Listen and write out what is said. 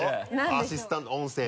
アシスタント音声の。